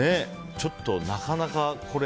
ちょっと、なかなか。